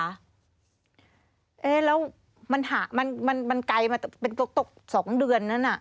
แล้วมันไกลมาเป็นตก๒เดือนนั้น